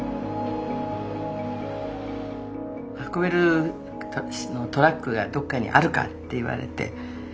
運べるトラックがどっかにあるかって言われて。